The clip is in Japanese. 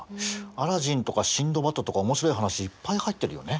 アラジンとかシンドバッドとか面白い話いっぱい入ってるよね。